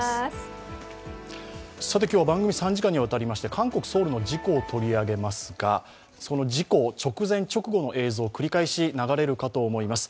今日は番組３時間にわたりまして韓国ソウルの事故を取り扱いますがその事故の直前直後の映像が繰り返し流れるかと思います。